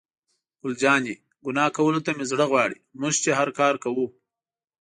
ګل جانې: ګناه کولو ته مې زړه غواړي، موږ چې هر کار کوو.